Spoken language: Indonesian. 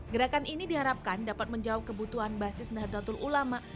gerakan ini diharapkan dapat menjauh kebutuhan basis nahdlatul ulama